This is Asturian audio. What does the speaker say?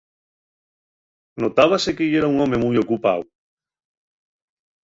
Notábase que yera un home mui ocupáu.